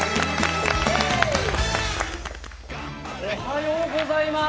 おはようございます。